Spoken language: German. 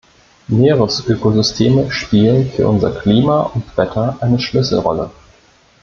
Meeresökosysteme spielen für unser Klima und Wetter eine Schlüsselrolle.